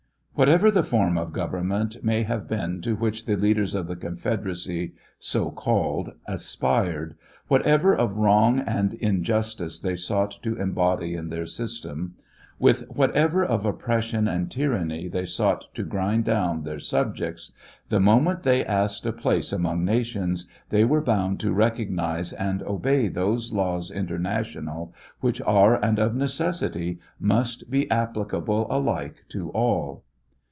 Whatever the form of government may have been to which the leaders of the confederacy, so called, aspired ; whatever of wrong and injustice they sought to embody in their system; with whatever of oppression and tyranny they sought to grind down their subjects, the moment they asked a place among nations they were bound to recognize and obey those laws inter national which are and of necessity must be applicable alike to all.